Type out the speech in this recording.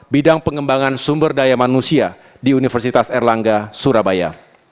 bidang pengembangan sumber daya manusia di universitas erlangga surabaya